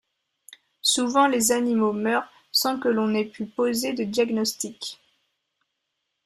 Souvent les animaux meurent sans que l'on ai pu poser de diagnostic.